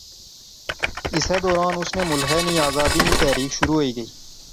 اسے دوران اس نے ملخے نی آزادی نی تحریک شروع ہوئی گئی